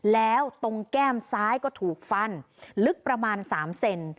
แล้วตรงแก้มซ้ายก็ถูกฟันลึกประมาณ๓เซน